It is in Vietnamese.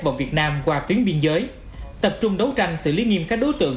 vào việt nam qua tuyến biên giới tập trung đấu tranh xử lý nghiêm các đối tượng